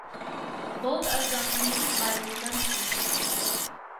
Both are dominated by woodland species.